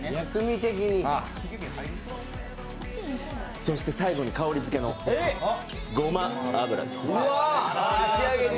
そして最後に香りづけのごま油です。